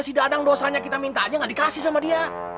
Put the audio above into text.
si dadang dosanya kita minta aja gak dikasih sama dia